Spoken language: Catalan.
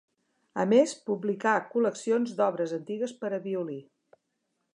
A més, publicà col·leccions d'obres antigues per a violí.